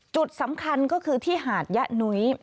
จุดสำคัญก็คือที่หาดยะนุ้ย